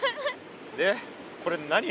でこれ何？